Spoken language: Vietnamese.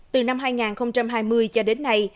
từ năm hai nghìn hai mươi cho đến nay